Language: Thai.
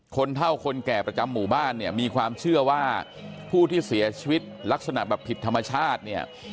เท่าคนแก่ประจำหมู่บ้านเนี่ยมีความเชื่อว่าผู้ที่เสียชีวิตลักษณะแบบผิดธรรมชาติเนี่ย